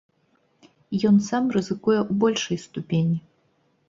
Ён сам рызыкуе ў большай ступені!